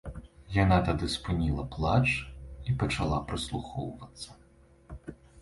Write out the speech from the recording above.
Яна тады спыніла плач і пачала прыслухоўвацца.